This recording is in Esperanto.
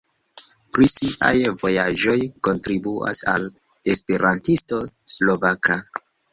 Pri siaj vojaĝoj kontribuas al Esperantisto Slovaka.